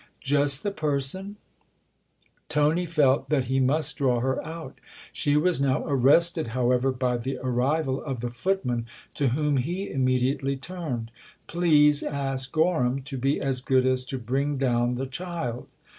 " Just the person ?" Tony felt that he must draw her out. She was now arrested, however, by the arrival of the footman, to whom he immediately turned. " Please ask Gorham to be as good as to bring down the child."